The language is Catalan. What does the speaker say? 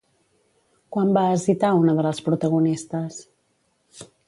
Quan va hesitar una de les protagonistes?